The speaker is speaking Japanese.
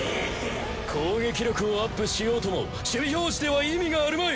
攻撃力をアップしようとも守備表示では意味があるまい！